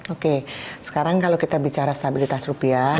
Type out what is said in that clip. oke sekarang kalau kita bicara stabilitas rupiah